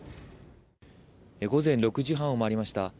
午前６時半を回りました。